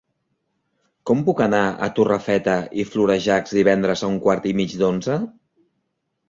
Com puc anar a Torrefeta i Florejacs divendres a un quart i mig d'onze?